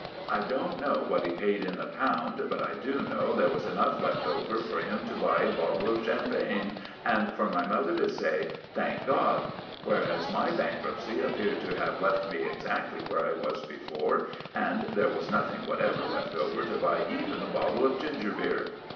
I don't know what he paid in the pound, but I do know there was enough left over for him to buy a bottle of champagne, and for my mother to say "Thank God!" Whereas my bankruptcy appeared to have left me exactly where I was before, and there was nothing whatever left over to buy even a bottle of ginger beer.